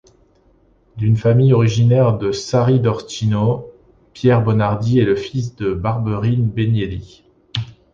D'une famille originaire de Sari-d'Orcino, Pierre Bonardi est le fils de Barberine Benielli.